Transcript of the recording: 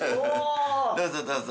どうぞどうぞ。